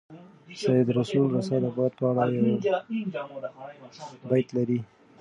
سید رسول رسا د باد په اړه یو بیت لري.